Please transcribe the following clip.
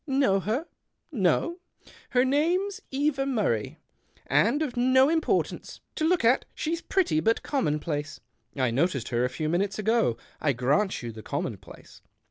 Know her ? No ? Her name's Eva Murray, and of no importance. To look at, she's pretty but commonplace." " I noticed her a few minutes ago. I grant you the commonplace."